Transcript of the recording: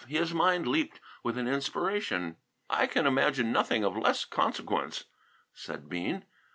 His mind leaped with an inspiration. "I can imagine nothing of less consequence," said Bean.